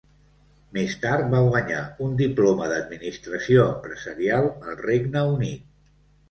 Més tard va guanyar un Diploma d'Administració Empresarial al Regne Unit.